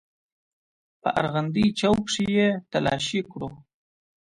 په ارغندې چوک کښې يې تلاشي کړو.